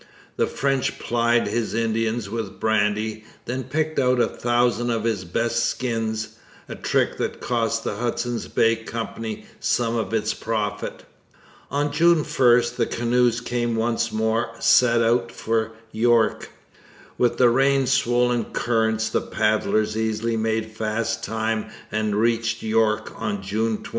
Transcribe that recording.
The French plied his Indians with brandy, then picked out a thousand of his best skins, a trick that cost the Hudson's Bay Company some of its profit. On June 1 the canoes once more set out for York. With the rain swollen current the paddlers easily made fast time and reached York on June 20.